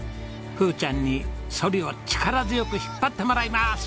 ふーちゃんにソリを力強く引っ張ってもらいます！